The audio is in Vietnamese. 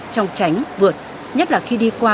trong tránh vượt nhất là khi đi qua